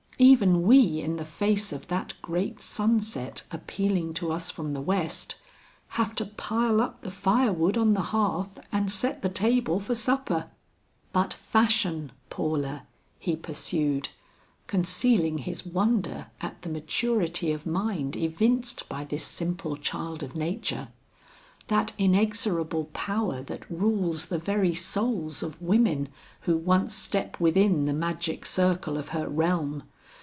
Even we in the face of that great sunset appealing to us from the west, have to pile up the firewood on the hearth and set the table for supper." "But fashion, Paula," he pursued, concealing his wonder at the maturity of mind evinced by this simple child of nature, "that inexorable power that rules the very souls of women who once step within the magic circle of her realm!